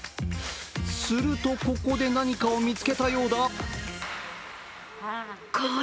するとここで何かを見つけたようだ。